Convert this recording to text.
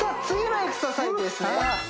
次のエクササイズですね